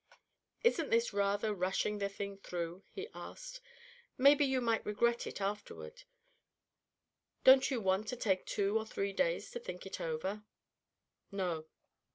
"Isn't this rather rushing the thing through?" he asked. "Maybe you might regret it afterward. Don't you want to take two or three days to think it over?" "No."